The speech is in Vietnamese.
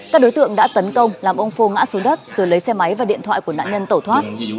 các đối tượng đã tấn công làm ông phô ngã xuống đất rồi lấy xe máy và điện thoại của nạn nhân tẩu thoát